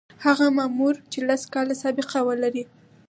هغه مامور چې لس کاله سابقه ولري.